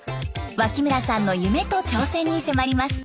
脇村さんの夢と挑戦に迫ります。